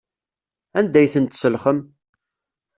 Anda ay tent-tselxem?